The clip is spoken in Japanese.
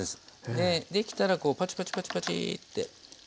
でできたらこうパチパチパチパチって。